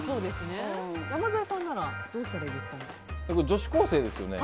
山添さんならどうしたらいいですかね。